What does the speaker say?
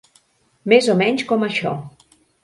Més o menys com això.